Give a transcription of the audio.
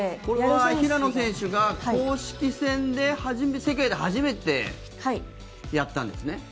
これは平野選手が公式戦で世界で初めてやったんですね。